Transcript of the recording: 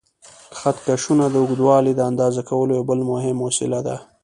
خط کشونه د اوږدوالي د اندازه کولو یو بل مهم وسیله ده.